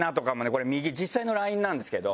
これ右実際のＬＩＮＥなんですけど。